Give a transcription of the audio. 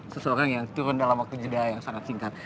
seseorang yang turun dalam waktu jeda yang sangat singkat